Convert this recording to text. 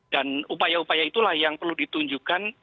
dan upaya upaya itulah yang perlu ditunjukkan